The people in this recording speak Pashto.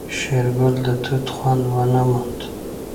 شېرګل د توت خوند ونه موند.